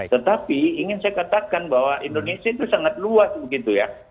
tetapi ingin saya katakan bahwa indonesia itu sangat luas begitu ya